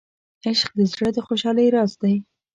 عشق د زړه د خوشحالۍ راز دی.